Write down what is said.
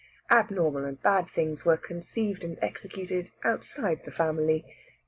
Abnormal and bad things were conceived and executed outside the family.